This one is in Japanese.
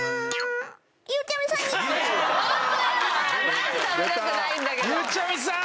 マジ食べたくないんだけどゆうちゃみさん！